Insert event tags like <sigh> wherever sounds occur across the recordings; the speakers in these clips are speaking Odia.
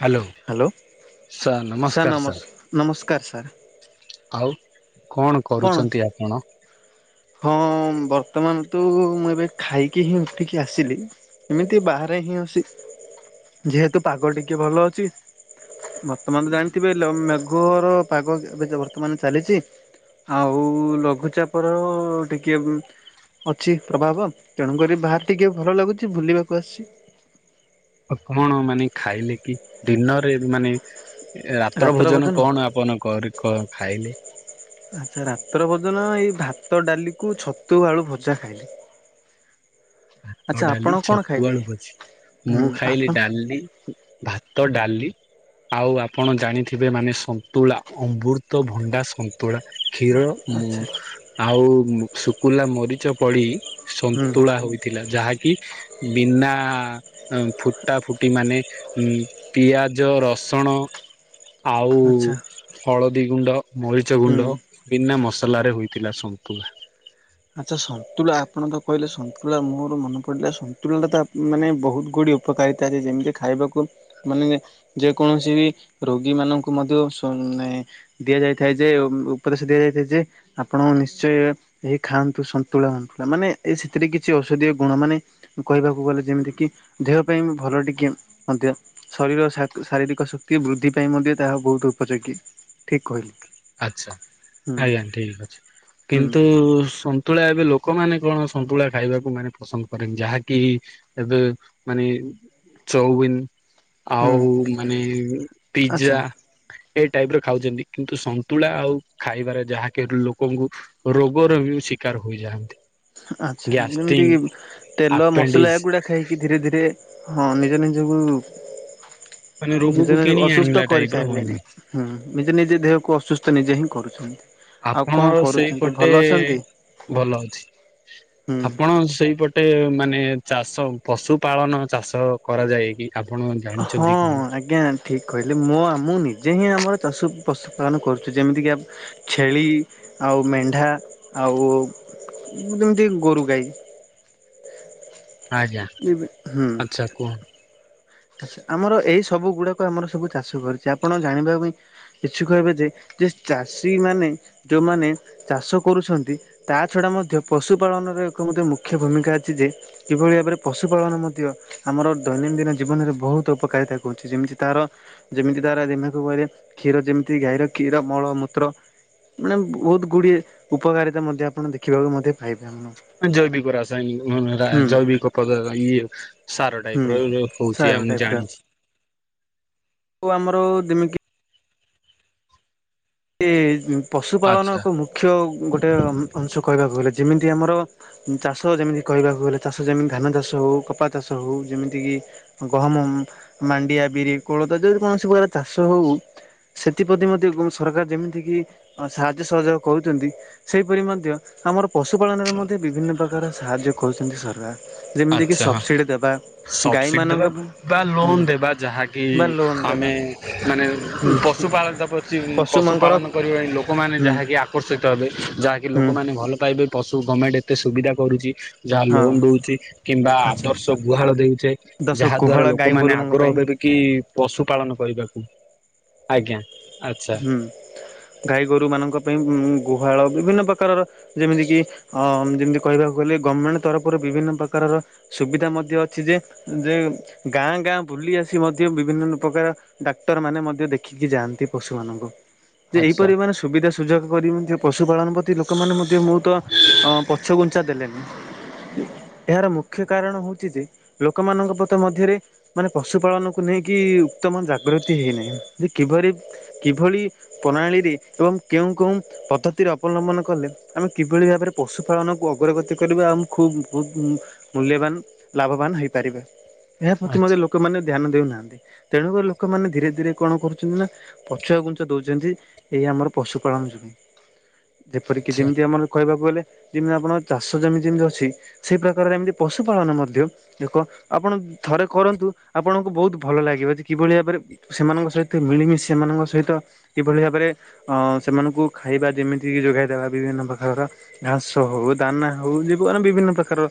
ହ୍ୟାଲୋ। ହ୍ୟାଲୋ ସାର୍ ନମସ୍ ନମସ୍କାର ସାର୍। ଆଉ କଣ କରୁଛନ୍ତି ଆପଣ? ହଁ ବର୍ତ୍ତମାନ ତୁ ମୁଁ ଏବେ ଖାଇକି ହିଁ ଉଠିକି ଆସିଲି। ଏମିତି ବାହାରେ ହିଁ ଅଛି। ଯେହେତୁ ପାଗ ଟିକେ ଭଲ ଅଛି। ବର୍ତ୍ତମାନ ତ ଜାଣିଥିବେ ମେଘର ପାଗ ଏବେ ବର୍ତ୍ତମାନ ଚାଲିଛି। ଆଉ ଲଘୁଚାପର ଆ ଟିକିଏ ଅଛି ପ୍ରଭାବ ତେଣୁକରି ବାହାରେ ଟିକିଏ ଭଲ ଲାଗୁଛି ବୁଲିବାକୁ ଆସିଛି। କଣ ମାନେ ଖାଇଲେ କି ଡିନରରେ ମାନେ? ଏ ରାତ୍ର ଭୋଜନ କଣ ଆପଣ କ କ ଖାଇଲେ? ଆଚ୍ଛା ରାତ୍ର ଭୋଜନ ଏଇ ଭାତ ଡାଲିକୁ ଛତୁ ଆଳୁ ଭଜା ଖାଇଲି। <inaudible> ଭାତ ଆଚ୍ଛା ଆପଣ ଡାଲି କଣ ଖାଇଲେ ଛତୁଆଳୁ ପଛି ହୁଁ ମୁଁ ଖାଇଲି ଆପଣ ଡାଲି। ଭାତ ଡାଲି। ଆଉ ଆପଣ ଜାଣିଥିବେ ମାନେ ସନ୍ତୁଳା ଅମୃତ ଭଣ୍ଡା ସୁ ତୋଳା କ୍ଷୀର ଆଚ୍ଛା ଆଉ ଶୁଖୁଲା ମରିଚ ପଡି। ହୁଁ। ସନ୍ତୁଳା ହୋଇଥିଲା ଯାହାକି ବିନା ଫୁଟା ଫୁଟି ମାନେ ଉ ପିଆଜ, ରସଣ ଆଉ ଆଚ୍ଛା ହଳଦୀ ଗୁଣ୍ଡ, ମରିଚ ହୁଁ। ଗୁଣ୍ଡ ବିନା ମସଲାରେ ହୋଇଥିଲା ସନ୍ତୁଳା। ଆଚ୍ଛା ସନ୍ତୁଳା ଆପଣ ତ କହିଲେ ସନ୍ତୁଳା ମୋର ମନ ପଡ଼ିଲା ସନ୍ତୁଳାଟା ତ ମାନେ ବହୁତ ଗୁଡ଼ିଏ ଉପକାରିତା ଅଛି ଯେମିତି ଖାଇବାକୁ ମାନେ ଯେ କୌଣସି ବି ରୋଗୀ ମାନଙ୍କୁ ମଧ୍ୟ ମାନେ ଦିଆଯାଇଥାଏ ଯେ ଉପଦେଶ ଦିଆଯାଇଥାଏ ଯେ ଆପଣ ନିଶ୍ଚୟ ଏହି ଖାଆନ୍ତୁ ସନ୍ତୁଳା ମାନେ ଏ ସେଥିରେ କିଛି ଔଷଧୀୟ ଗୁଣ ମାନେ କହିବାକୁ ଗଲେ ଯେମିତି କି ଦେହ ପାଇଁ ଭଲ ଟିକେ ମଧ୍ୟ। ଶରୀର ଶାରୀରିକ ଶକ୍ତି ବୃଦ୍ଧି ପାଇଁ ମଧ୍ୟ ତାହା ବହୁତ ଉପଯୋଗୀ ଠିକ କହିଲି। ଆଛା ହୁଁ ଆଜ୍ଞା ଠିକ ଅଛି ହୁଁ କିନ୍ତୁ ସନ ସନ୍ତୁଳା ଏବେ ଲୋକମାନେ କଣ ସନ୍ତୁଳା ଖାଇବାକୁ ମାନେ ପସନ୍ଦ କରେନି ଯାହାକି ଏବେ ମାନେ ଚଉବିନ ହୁଁ ଆଉ ମାନେ ଆଚ୍ଛା ପିଜା ଏଇ ଟାଇପର ଖାଉଛନ୍ତି କିନ୍ତୁ ସନ ତୁଳା ଆଉ ଖାଇବାରେ ଯାହାକି ଲୋକଙ୍କୁ ରୋଗର ହି ଶିକାର ହୋଇଯାଆନ୍ତି। ଆଚ୍ଛା ଯେମିତି ଗ୍ୟାଷ୍ଟ୍ରିଙ୍ଗ କି ତେଲ ଆପେଣ୍ଡିଜ ମସଲା ଏଗୁଡା ଖାଇକି ଧୀରେ ଧୀରେ ହଁ ନିଜ ନିଜକୁ ମାନେ ରୋଗକୁ ନିଜ ନିଜ କିଣି ଆଣିଲା ଅସୁସ୍ଥ ଟାଇପ୍ ର ହୁଅନ୍ତି। କରିସାରିଲେଣି। ହୁଁ ନିଜେ ନିଜେ ଦେହକୁ ଅସୁସ୍ଥ ନିଜେ ହିଁ କରୁଛନ୍ତି। ଆଉ କଣ ଆପଣର କରୁଛନ୍ତି ସେଇପଟେ ଭଲ ଅଛନ୍ତି? ଭଲ ଅଛି। ହୁଁ ଆପଣ ସେଇପଟେ ପଟେ ମାନେ ଚାଷ ପଶୁ ପାାଳନ ଚାଷ କରାଯାଏ କି? ଆପଣ ମଧ୍ୟ ହଁ ଆଜ୍ଞା ଠିକ କହିଲେ ମୁଁ ଆ ମୁଁ ନିଜେ ହିଁ ଆମର ଚାଷ ପଶୁପାଳନ କରୁଛି ଯେମିତିକି ଆପ ଛେଳି ଆଉ ମେଣ୍ଢା ଆଉ ଯେମିତି ଗୋରୁ ଗାଈ ଆଜ୍ଞା ଆଚ୍ଛା କୁହ ଆଛା ଆମର ଏଇ ସବୁ ଗୁଡାକ ଆମର ସବୁ ଚାଷ କରିଛି ଆପଣ ଜାଣିବା ପାଇଁ କିଛି କହିବେ ଯେ ଯେ ଚାଷୀ ମାନେ ଯୋଉମାନେ ଚାଷ କରୁଛନ୍ତି ତା ଛଡ଼ା ମଧ୍ୟ ପଶୁପାଳନର ଏକ ଗୋଟେ ମୁଖ୍ୟ ଭୂମିକା ଅଛି ଯେ କିଭଳି ଭାବରେ ପଶୁପାଳନ ମଧ୍ୟ ଆମର ଦୈନନ୍ଦିନ ଜୀବନରେ ବହୁତ ଉପକାରିତା କରୁଛି ଯେମିତି ତାର ଯେମିତି ଦ୍ଵାରା ଦି ମାସକୁ କହିଲେ କ୍ଷୀର ଯେମିତି ଗାଈର କ୍ଷୀର ମଳମୂତ୍ର ମାନେ ବହୁତ ଗୁଡ଼ିଏ ଉପକାରିତା ମଧ୍ୟ ଆପଣ ଦେଖିବାକୁ ମଧ୍ୟ ପାଇପାରୁନ। ହଁ ଜୈବିକ ରାସାୟନିକ ମାନେ ଜୈବିକ ପଦାର୍ଥ ଇଏ ସାର ହୁଁ ଟାଇପର ହଉଛି ସାର ଆ ମୁଁ ଜାଣିଛି। ଆଉ ଆମର ଯେମିତି କି ପଶୁପାଳନ ଆଚ୍ଛା ଏକ ମୁଖ୍ୟ ଗୋଟେ ଅଂଶ କହିବାକୁ ଗଲେ ଯେମିତି ଆମର ଚାଷ ଯେମିତି କହିବାକୁ ଗଲେ ଚାଷ ଯେମିତି ଧାନ ଚାଷ ହଉ କପା ଚାଷ ହଉ ଯେମିତି କିି ଗହମ, ମାଣ୍ଡିଆ, ବିରି, କୋଳଥ ଯଦି କୌଣସି ପ୍ରକାର ଚାଷ ହଉ ସେଥିପ୍ରତି ମଧ୍ୟ ସରକାର ଯେମିତିକି ସାହାଯ୍ୟ ସହଯୋଗ କରୁଛନ୍ତି ସେହିପରି ମଧ୍ୟ ଆମର ପଶୁ ପାାଳନରେ ମଧ୍ୟ ବିଭିନ୍ନ ପ୍ରକାର ସାହାଯ୍ୟ କରୁଛନ୍ତି ସରକାର। ଯେମିତିକି ଆଛା ସବସିଡ଼ି ଦେବା ସବସିଡି ଗାଈମାନଙ୍କ ଦେବା ବା ଲୋନ ଦେବା ଯାହାକି ବା ଲୋନ୍ କି ଦେବା ଆମେ ମାନେ ହୁଁ ପଶୁପାଳ ଜବର୍ କିଛି ପଶୁମାନଙ୍କର ପଶୁପାଳନ କରିବା ପାଇଁ ଲୋକମାନେ ହୁଁ ଯାହାକି ଆକର୍ଷିତ ହେବେ ଯାହାକି ହୁଁ ଲୋକମାନେ ଭଲ ପାଇବେ ପଶୁ ଗଭର୍ଣ୍ଣମେଣ୍ଟ ଏତେ ସୁବିଧା କରୁଛି ଯାହା ହଁ ଲୋନ ଦଉଛି। କିମ୍ବା ଆଚ୍ଛା ଆଦର୍ଶ ଗୁହାଳ ଦେଉଛେ ଦଶ ଯାହା ଦ୍ଵାରା ଗୁହାଳ ଗାଈ ଲୋକମାନେ ଗୋରୁମାନଙ୍କ ଆଗ୍ରହ ପାଇଁ ହେବେ କି ପଶୁ ପାଳନ କରିବାକୁ ଆଜ୍ଞା। ଆଚ୍ଛା ହୁଁ ଗାଈ ଗୋରୁ ମାନଙ୍କ ପାଇଁ ଗୁହାଳ ବିଭିନ୍ନ ପ୍ରକାରର ଯେମିତି କିି ଅ ଯେମିତି କହିବାକୁ ଗଲେ ଗଭର୍ଣ୍ଣମେଣ୍ଟ ତରଫରୁ ବିଭିନ୍ନ ପ୍ରକାରର ସୁବିଧା ମଧ୍ୟ ଅଛି ଯେ ଯେ ଗାଁ ଗାଁ ବୁଲି ଆସି ମଧ୍ୟ ବିଭିନ୍ନ ପ୍ରକାର ଡାକ୍ତର ମାନେ ମଧ୍ୟ ଦେଖିକି ଯାଆନ୍ତି। ପଶୁମାନଙ୍କୁ ଯେ ଆଚ୍ଛା ଏହିପରି ମାନେ ସୁବିଧା ସୁଯୋଗ କରି ମଧ୍ୟ ପଶୁପାଳନ ପ୍ରତି ଲୋକମାନେ ମଧ୍ୟ ବହୁତ ଅ ପଛଘୁଞ୍ଚା ଦେଲେଣି। ଏହାର ମୁଖ୍ୟ କାରଣ ହଉଛି ଯେ ଲୋକମାନଙ୍କ ପଥ ମଧ୍ୟରେ ମାନେ ପଶୁପାଳନକୁ ନେଇକି ଉତ୍ତମ ଜାଗୃତି ହେଇନାହିଁ ଯେ କିଭରି କିଭଳି ପ୍ରଣାଳୀରେ ଏବଂ କେଉଁ କେଉଁ ପଦ୍ଧତିରେ ଅବଲମ୍ବନ କଲେ ଆମେ କିଭଳି ଭାବରେ ପଶୁପାଳନକୁ ଅଗ୍ରଗତି କରିବା ଆଉ ଖୁବ ମୂଲ୍ୟବାନ ଲାଭବାନ ହେଇପାରିବା। ଏହା ପ୍ରତି ମଧ୍ୟ ଆଚ୍ଛା ଲୋକମାନେ ଧ୍ୟାନ ଦେଉନାହାନ୍ତି ତେଣୁକରି ଲୋକମାନେ ଧୀରେ ଧୀରେ କଣ କରୁଛନ୍ତି ନା ପଛୁଆ ଗୁଞ୍ଚା ଦଉଛନ୍ତି ଏଇ ଆମର ପଶୁପାଳନ ଯୋଗୁଁ ଯେପରିକି ଯେମିତି ଆଚ୍ଛା ଆମର କହିବାକୁ ଗଲେ ଯେମିତି ଆପଣଙ୍କର ଚାଷ ଯମି ଯେମିତି ଅଛି ସେଇ ପ୍ରକାରରେ ଏମିତି ପଶୁପାଳନ ମଧ୍ୟ ଦେଖ ଆପଣ ଥରେ କରନ୍ତୁ ଆପଣଙ୍କୁ ବହୁତ ଭଲ ଲାଗିବ ଯେ କିଭଳି ଭାବରେ ସେମାନଙ୍କ ସହିତ ମିଳିମିଶି ସେମାନଙ୍କ ସହିତ କିଭଳି ଭାବରେ ଅଁ ସେମାନଙ୍କୁ ଖାଇବା ଯେମିତିକ ଯୋଗାଇଦବା ବିଭିନ୍ନ ପ୍ରକାରର। ଘାସ ହଉ ଦାନା ହଉ <unintelligible> ବିଭିନ୍ନ ପ୍ରକାରର।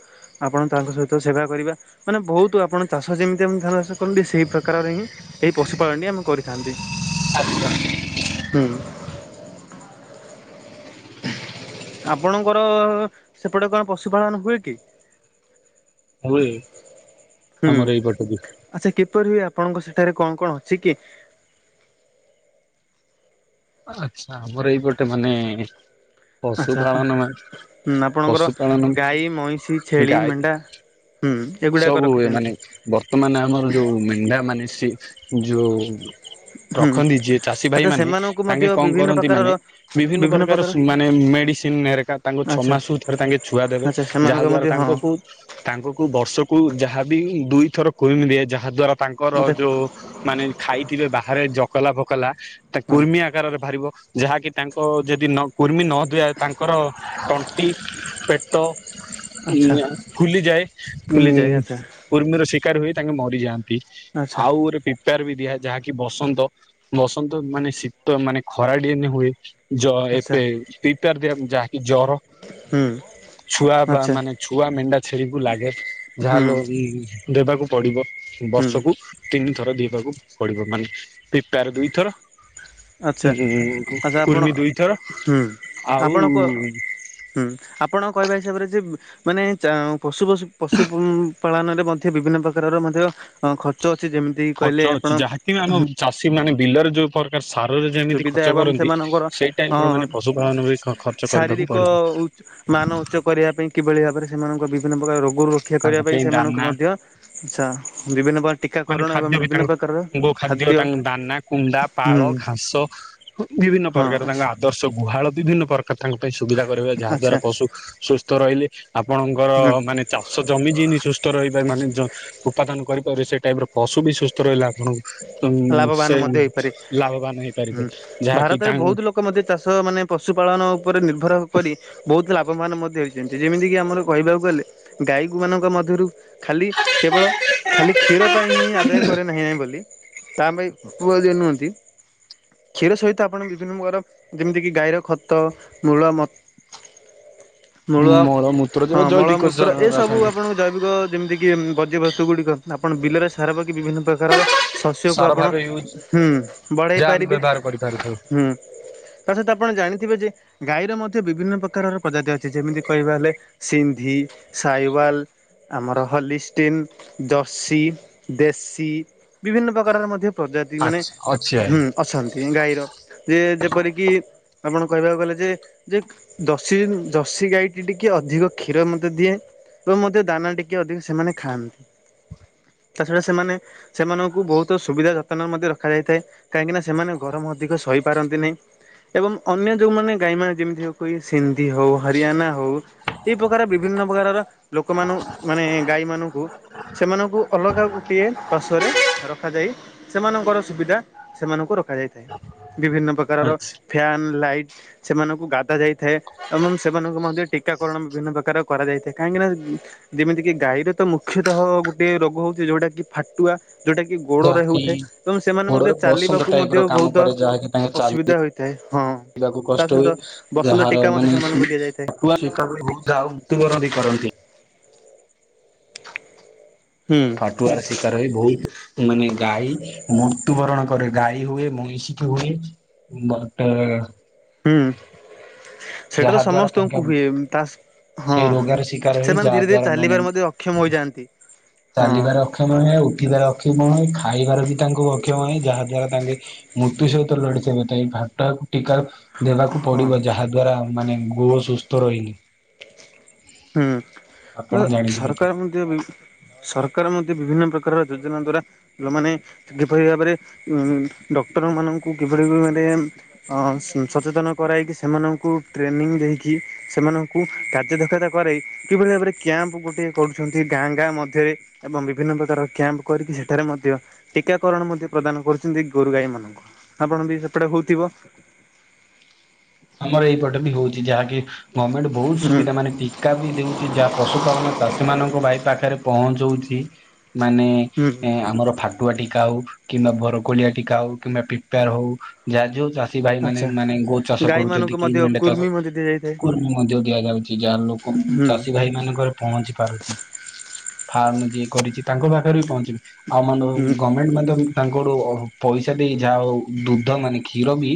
ଆପଣ ତାଙ୍କ ସହିତ ସେବା କରିବା। ମାନେ ବହୁତ ଆପଣ ଚାଷ ଯେମିତି ଆମେ ଧାନ ଚାଷ କରନ୍ତି, ସେଇ ପ୍ରକାରର ହିଁ ଏଇ ପଶୁପଳନଟି ଆମେ କରିଥାନ୍ତି। ଆଜ୍ଞା। ହୁଁ। ଆପଣଙ୍କର ସେପଟେ କଣ ପଶୁପାଳନ ହୁଏ କି? ହୁଏ। ହୁଁ। ଆମର ଏଇପଟ ବି। ଆଚ୍ଛା କିପରି ହୁଏ? ଆପଣଙ୍କ ସେଠାରେ କଣ କଣ ଅଛି କି? ଆଚ୍ଛା ଆମର ଏଇ ପଟେ ମାନେ ଆଚ୍ଛା ଆପଣ ପଶୁପାଳନ ମାନେ, ହୁଁ ଆପଣଙ୍କର ପଶୁପାଳନ ଗାଈ, ମଇଁଷି, ଛେଳି, ଗାଈ। ମେଣ୍ଢା ହୁଁ ଏଗୁଡାକ ସବୁ ହୁଏ। ମାନେ, ରଖିଛନ୍ତି ବର୍ତ୍ତମାନ ଆମର ଯୋଉ ମେଣ୍ଢା ମାନେ ସେ, ଯୋଉ ହୁଁ ରଖନ୍ତି ଯିଏ ଚାଷୀ ଭାଇ ଆଚ୍ଛା ମାନେ, ସେମାନଙ୍କୁ ମଧ୍ୟ ତାଙ୍କେ କଣ ବିଭିନ୍ନ କରନ୍ତି ପ୍ରକାରର ମାନେ, ବିଭିନ୍ନ ପ୍ରକାର ମାନେ ମେଡିସିନ ଇନମାରେଟା ତାଙ୍କ ଛ ଆଚ୍ଛା ମାସକୁ ଥରେ ତାଙ୍କେ ଛୁଆ ଦେବେ। ଆଚ୍ଛା ଯାହା ସେମାନଙ୍କ ଦ୍ଵାରା ମଧ୍ୟ ହଁ ତାଙ୍କକୁ ତାଙ୍କ କୁ ବର୍ଷକୁ ଯାହାବି ଦୁଇଥର କୁ୍ରମି ଦିଆ ଯା, ଯାହା ଦ୍ଵାରା ତାଙ୍କର ମତେ ଯୋଉ ମାନେ ଖାଇଥିବେ ବାହାରେ ଜକଲା, ଫକଲା ତା ହଁ କୁର୍ମିଆ କାରରେ ବାହାରିବ। ଯାହାକି ତାଙ୍କ ଯଦି ନ କୁର୍ମି ନ ଦିଆ ତାଙ୍କର ତଣ୍ଟି ପେଟ। ଆଚ୍ଛା ଉଁ ଫୁଲିଯାଏ। ଉଁ ଫୁଲିଯାଏ ଆଚ୍ଛା କୁର୍ମିର ଶିକାର ହୁଏ ତାଙ୍କେ ମରିଯାଆନ୍ତି। ପି ଆଚ୍ଛା ଆଉୋ ଗୋରେ ପି ତାର ବି ଦିଆ ଯାହାକି ବସନ୍ତ। ବସନ୍ତ ମାନେ ଶୀତ ମାନେ ଖରାଡି ମ ହୁଏ। ଜ ଆଚ୍ଛା ଏପେ ପିପାର ଦିଆ ଯାହାକି ଜର। ହୁଁ ଛୁଆ ବା ଆଚ୍ଛା ମାନେ ଛୁଆ ମେଣ୍ଢା ଛେଳିକୁୁ ଲାଗେ। ହୁଁ ଯାହାଲୋ ଦେବାକୁ ପଡିବ। ହୁଁ ବର୍ଷକୁ। ତିନିଥର ଦିବାକୁ ପଡିବ। ମାନେ ପିପାରେ ଦୁଇଥର। ଆଚ୍ଛା ଆଚ୍ଛା ଆପଣ କୁର୍ମି ଦୁଇଥର। ଆଉ କ ହୁଁ। ଆପଣ କହିବା ହିସାବରେ ଯେ ମାନେ ଚା ପଶୁ ପଶୁ ପଶୁ ଉଁ ପାଳନରେ ମଧ୍ୟ ବିଭିନ୍ନ ପ୍ରକାରର ମଧ୍ୟ ଅ ଖର୍ଚ୍ଚ ଅଛି। ଯେମ ଖର୍ଚ୍ଚ ଅଛି, ଯାହାକି ଆମ ଚାଷୀ ମାନେ ବିଲରେ ଯୋଉ ପର ସାରରେ ଯେମିତି ସୁବିଧା ଖର୍ଚ୍ଚ ଏବଂ କରନ୍ତି, ସେମାନଙ୍କର ସେଇ ଅ ଟାଇପ ର ମାନେ ପଶୁ ପାାଳନ ବି ଖର୍ଚ୍ଚ କରିବାକୁ ଶାରୀରିକ ପଡିବ। ମାନ ଉଚ୍ଚ କରିବା ପାଇଁ କିଭଳି ଭାବରେ ସେମାନଙ୍କ ବିଭିନ୍ନ ପ୍ରକାର ରୋଗରୁ ରକ୍ଷା ତାଙ୍କ କରିବା ପାଇଁ ସେମାନଙ୍କୁ ଦାନା ମଧ୍ୟ ଆଛା। ବିଭିନ୍ନ ପ୍ରକାର ମାନେ ଟୀକାକରଣ ଏବଂ ଖାଦ୍ୟ ବି ବିଭିନ୍ନ ତାଙ୍କ, ପ୍ରକାରର ଗୋ ଖାଦ୍ୟ ତାଙ୍କ ଦାନା, କୁଣ୍ଡା, ହୁଁ ପାଳ, ଘାସ ବିଭିନ୍ନ ହଁ ପ୍ରକାର। ତାଙ୍କ ଆଚ୍ଛା ଆଦର୍ଶ ଗୁହାଳ ବିଭିନ୍ନ ପ୍ରକାର ତାଙ୍କ ପାଇଁ ସୁବିଧା କରିବେ, ଯାହା ଆଚ୍ଛା ଦ୍ୱାରା ପଶୁ ସୁସ୍ଥ ରହିଲେ, ଆପଣଙ୍କର ହୁଁ ମାନେ ଚାଷ ଜମି ଯେନି ସୁସ୍ଥ ରହିପାବ ମାନେ ଯ ଉପାଦାନ କରିପାରେ, ସେ ଟାଇପ ର ପଶୁ ବି ସୁସ୍ଥ ରହିଲା। ଆପଣଙ୍କୁ ଉଁ ଲାଭବାନ ସେ ମଧ୍ୟ ହେଇପାରେ ଲାଭବାନ ହେଇପାରିବେ। ହୁଁ ଯାହାକି ଭାରତରେ ତାଙ୍କ ବହୁତ ଲୋକ ମଧ୍ୟ ଚାଷ ମାନେ ପଶୁପାଳନ ଉପରେ ନିର୍ଭର କରି, ବହୁତ ଲାଭବାନ ମଧ୍ୟ ହେଇ ଯେମତି, ଯେମିତିକି ଆମର କହିବାକୁ ଗଲେ, ଗାଈକୁମାନାନଙ୍କ ମଧ୍ୟରୁ ଖାଲି କେବଳ ଖାଲି କ୍ଷୀର ପାଇଁ ହିଁ ଆଦାୟ କରେ ନାହିଁ ନାହିଁ ବୋଲି। ତା ପାଇଁ ପୁଅ ଯଏ ନୁହଁନ୍ତି। କ୍ଷୀର ସହିତ ଆପଣ ବିଭିନ୍ନ ପ୍ରକାର, ଯେମିତି କିି ଗାଈର ଖତ, ମୂଳ ମ ମୂଳ ମଳମୂତ୍ର ଯେବେ ହଁ ଜୈବିକ ସ ମଳମୂତ୍ର ଏ ସବୁ ରାସାୟନିକ ଆପଣଙ୍କୁ ଜୈବିକ, ଯେମିତିକି ବଜ୍ୟବସ୍ତୁ ଗୁଡ଼ିକ। ଆପଣ ବିଲରେ ସାର ପକି ବିଭିନ୍ନ ପ୍ରକାରର ଶସ୍ୟକୁ ସାର ଆପଣ, ଭାବେ ୟୁଜ୍ ହୁଁ ବଢ଼େଇ ଯାହା ଆମେ ପାରିବେ। ବ୍ୟବହାର କରିପାରିଥାଉ ହୁଁ। ତା ସହିତ ଆପଣ ଜାଣିଥିବେ ଯେ ଗାଈର ମଧ୍ୟ ବିଭିନ୍ନ ପ୍ରକାରର ପ୍ରଜାତି ଅଛି ଯେମିତି କହିବା ହେଲେ ସିନ୍ଧି, ସାଇୱାଲ ଆମର ହଲିଷ୍ଟିନ୍, ଜର୍ସି, ଦେଶୀ ବିଭିନ୍ନ ପ୍ରକାରର ମଧ୍ୟ ପ୍ରଜାତି ମାନେ ଆଚ୍ଛା ଅଛି ଆଇ। ହୁଁ ଅଛନ୍ତି ଗାଈର ଯେ ଯେପରିକି ଆପଣ କହିବାକୁ ଗଲେ ଯେ ଯେ ଜର୍ସି ଜର୍ସି ଗାଈଟି ଟିକେ ଅଧିକ କ୍ଷୀର ମତେ ଦିଏ। ଏବଂ ମଧ୍ୟ ଦାନା ଟିକେ ଅଧିକ ସେମାନେ ଖାଆନ୍ତି। ତା ଛଡ଼ା ସେମାନେ ସେମାନଙ୍କୁ କୁ ବହୁତ ସୁବିଧା ଯତ୍ନରେ ମଧ୍ୟ ରଖାଯାଇଥାଏ କାହିଁକି ନା ସେମାନେ ଗରମ ଅଧିକ ସହିପାରନ୍ତି ନାହିଁ। ଏବଂ ଅନ୍ୟ ଯେଉଁମାନେ ଗାଈମାନେ ଯେମିତି କ ସିନ୍ଦୀ ହଉ ହରିୟନା ହଉ ଏଇ ପ୍ରକାର ବିଭିନ୍ନ ପ୍ରକାରର ଲୋକମାନଙ୍କୁ ମାନେ ଗାଈମାନଙ୍କୁ ସେମାନଙ୍କୁ ଅଲଗା ଗୋଟିଏ ପାଶ୍ୱରେ ରଖାଯାଇ ସେମାନଙ୍କର ସୁବିଧା ସେମାନଙ୍କୁ ରଖାଯାଇଥାଏ। ବିଭିନ୍ନ ପ୍ରକାରର ଆଚ୍ଛା ଫ୍ୟାନ ଲାଇଟ୍ ସେମାନଙ୍କୁ ଗାଧା ଯାଇଥାଏ ଏବଂ ସେମାନଙ୍କୁ ମଧ୍ୟ ଟୀକା କରଣ ବିଭିନ୍ନ ପ୍ରକାର କରାଯାଇଥାଏ କାହିଁକିନା ଯେମିତି କିି ଗାଈର ତ ମୁଖ୍ୟତଃ ଗୋଟେ ରୋଗ ହଉଛି ଯୋଉଟା କି ଫାଟୁଆ ଯୋଉଟା କି ଗୋଡ଼ରେ ଯାହାକି ହୋଉଥାଏ ଏବଂ ସେମାନେ ମଧ୍ୟ ଗୋଡରେ ବସନ୍ତ ଚାଲିବାକୁ ଟାଇପ ର ମଧ୍ୟ କାମ ବହୁତ କରେ ଅସୁବିଧା ହୋଇଥାଏ। ହଁ। ଯିବାକୁ ତା କଷ୍ଟ ସହିତ ହୁଏ ବସନ୍ତ ଯାହାର ଟୀକା ମଧ୍ୟ ମାନେ ସେମାନଙ୍କୁ ଦିଆଯାଇଥାଏ <unintelligible> ମୃତୁବରଣ ବି କରନ୍ତି। ହୁଁ। ଫାଟୁଆ ଶିକାର ହୋଇ ବହୁତ ମାନେ ଗାଈ ମୃତୁବରଣ କରେ ଗାଈ ହୁଏ ମଇଁଷିଠୁ ବି ବଟ ହୁଁ ସେଇଟା ତ ଯାହା ଦ୍ଵାରା ତାଙ୍କ ସମସ୍ତଙ୍କୁ ହୁଏ ତା ହଁ ସେଇ ରୋଗର ଶିକାର ହେଇ ସେମାନେ ଯାହା ଧୀରେ ଧୀରେ ଚାଲିବାରେ ମଧ୍ୟ ଅକ୍ଷମ ହୋଇଯାଆନ୍ତି। ହଁ ଚାଲିବାରେ ଅକ୍ଷମ ହୁଏ, ଉଠିବାରେ ଅକ୍ଷମ ହୁଏ, ଖାଇବାରେ ବି ତାଙ୍କୁ ଅକ୍ଷମ ହୁଏ ଯାହା ଦ୍ଵାରା ତାଙ୍କେ ମୃତୁ ସହିତ ଲଢ଼ିଥିତ ହେବେ ଏଇ ଫାଟକୁ ଟୀକା ଦେବାକୁ ହଁ ପଡ଼ିବ ଯାହା ଦ୍ୱାରା ମାନେ ଗୃହ ସୁସ୍ଥ ରହେନି। ଆପଣ ହୁଁ ଜାଣିଥିବେ ତ ସରକାର ମଧ୍ୟ ବିଭି ସରକାର ମଧ୍ୟ ବିଭିନ୍ନ ପ୍ରକାରର ଯୋଜନା ଦ୍ଵାରା ଯୋଉ ମାନେ କିଭଳି ଭାବରେ ଉଁ ଡ଼କ୍ଟର ମାନଙ୍କୁ କିଭଳି ଭାବରେ ହଁ ସଚେତନ କରାଇକି ସେମାନଙ୍କୁ ଟ୍ରେନିଂ ଦେଇକି ସେମାନଙ୍କୁ କାର୍ଯ୍ୟ ଦକ୍ଷତା କରାଇ କିଭଳି ଭାବରେ କ୍ୟାମ୍ପ ଗୋଟେ କରୁଛନ୍ତି ଗାଁ ଗାଁ ମଧ୍ୟରେ ଏବଂ ବିଭିନ୍ନ ପ୍ରକାର କ୍ୟାମ୍ପ କରିକି ସେଠାରେ ମଧ୍ୟ ଟୀକା କରଣ ମଧ୍ୟ ପ୍ରଦାନ କରୁଛନ୍ତି ଗୋରୁ ଗାଈ ମାନଙ୍କୁ। ଆପଣ ବି ସେପଟେ ହଉଥିବ? ଆମର ଏଇପଟେ ବି ହୋଉଛି ଯାହାକି ଗମେଣ୍ଟ ବହୁତ ହୁଁ ସୁବିଧା ମାନେ ଟୀ ଟିକା ବି ଦଉଛି ଯାହା ପଶୁପାଳନ ଚାଷୀ ମାନଙ୍କ ଭାଇ ପାଖରେ ପହଞ୍ଚଉଚି ମାନେ ହୁଁ ଆମର ଫାଟୁଆ ଟୀକା ହଉ କିମ୍ବା ବରକୋଳିଆ ଟୀକା ହଉ କିମ୍ବା ପିପାର ହଉ ଯାହା ଯୋଉ ଚାଷୀ ଭାଇ ମାନେ ଆଚ୍ଛା ମାନେ ଗୋ ଚାଷ ଗାଈ କରୁ ମାନଙ୍କୁ କି ମଧ୍ୟ ମେଣ୍ଢା ଚାଷ କୁର୍ମି ମଧ୍ୟ ଦିଆଯାଇଥାଏ କୁର୍ମୀ ମଧ୍ୟ ଦିଆଯାଉଛି ଯାହାର ଲୋକ ହୁଁ ଚାଷୀ ଭାଇ ଭାଇ ମାନଙ୍କରେ ପହଞ୍ଚି ପାରୁଛି ଫାର୍ମ ଯିଏ କରିଚି ତାଙ୍କ ପାଖରେ ବି ପହ ଆଉ ମାନେ ହୁଁ ଗମେଣ୍ଟ ମଧ୍ୟ ତାଙ୍କର ପଇସା ଦେଇ ଯା‌ ଯୋଉ ଦୁଗ୍ଧ ମାନିକି କ୍ଷୀର ବି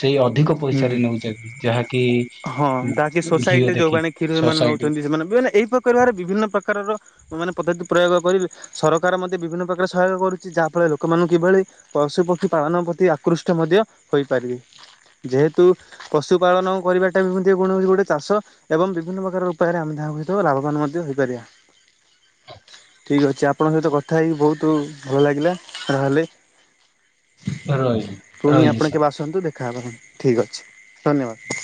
ସେଇ ଅଧିକ ହୁଁ ପଇସାରେ ନେଉଚନ୍ତି ଯାହାକି ହଁ ଦାକି ଘିଅ ସୋସାଇଟିରେ ଦେଖି ଯୋଉମାନେ କ୍ଷୀର ମାନେ ସୋସାଇଟି ନଉଛନ୍ତି ସେମାନେ ଏଇ ପ୍ରକାର ବିଭିନ୍ନ ପ୍ରକାରର ଏମାନେ ପଦ୍ଧତି ପ୍ରୟୋଗ କରିବେ ସରକାର ମଧ୍ୟ ବିଭିନ୍ନ ପ୍ରକାର ସହାୟକ କରୁଛି ଯାହା ଫଳରେ ଲୋକମାନଙ୍କୁ କିଭଳି ପଶୁପକ୍ଷୀ ପାଳନ ପ୍ରତି ଆକୃଷ୍ଟ ମଧ୍ୟ ହୋଇପାରିବେ। ଯେହେତୁ ପଶୁପାଳନ କରିବା <unintelligible> ଗୋଟେ ଚାଷ ଏବଂ ବିଭିନ୍ନ ପ୍ରକାର ଉପାୟରେ ଆମେ ତାହାଙ୍କ ସହିତ ଲାଭବାନ ମଧ୍ୟ ହେଇପାରିବା। <inaudible> ଠିକ୍ ଅଛି ଆପଣଙ୍କ ସହିତ କଥା ହେଇକି ବହୁତ ଭଲ ଲାଗିଲା ରହଲି। ରହି ପୁଣି ରହିଲି ଆପଣ ସାର୍। କେବେ ଆସନ୍ତୁ ଦେଖାହେବା ଠିକ୍ ଅଛି। ଧନ୍ୟବାଦ!